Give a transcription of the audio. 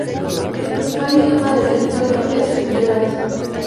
El principal idioma del territorio es el guyaratí.